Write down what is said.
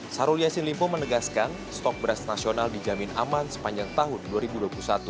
syahrul yassin limpo menegaskan stok beras nasional dijamin aman sepanjang tahun dua ribu dua puluh satu